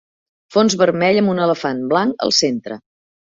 Fons vermell amb un elefant blanc al centre.